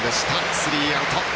スリーアウト。